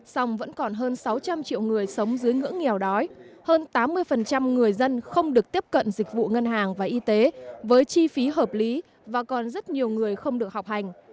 song vẫn còn hơn sáu trăm linh triệu người sống dưới ngưỡng nghèo đói hơn tám mươi người dân không được tiếp cận dịch vụ ngân hàng và y tế với chi phí hợp lý và còn rất nhiều người không được học hành